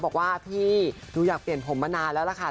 บอกว่าพี่หนูอยากเปลี่ยนผมมานานแล้วล่ะค่ะ